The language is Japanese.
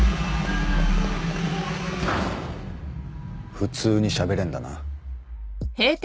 普通にしゃべれんだな。